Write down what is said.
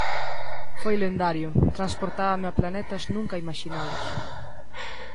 Foi lendario, transportábame a planetas nunca imaxinados.